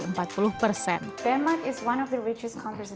denmark adalah salah satu negara yang lebih kaya di dunia